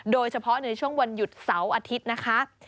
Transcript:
โดยเฉพาะในช่วงวันหยุดเสาร์อาทิตย์นะคะ